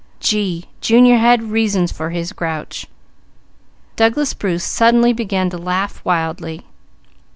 Gee, Junior had reasons for his grouch!" Douglas Bruce suddenly began to laugh wildly.